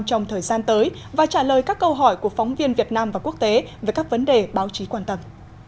trong thời gian tới và trả lời các câu hỏi của phóng viên việt nam và quốc tế về các vấn đề báo chí quan tâm